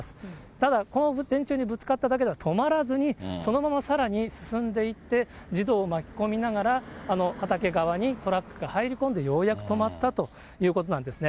ただ、この電柱にぶつかっただけでは止まらずに、そのままさらに進んでいって、児童を巻き込みながら、あの畑側にトラックが入り込んでようやく止まったということなんですね。